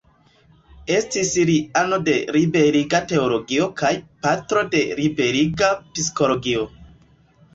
Estis li ano de Liberiga Teologio kaj patro de Liberiga Psikologio.